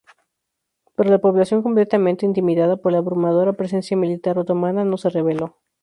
Pero la población, completamente intimidada por la abrumadora presencia militar otomana, no se rebeló.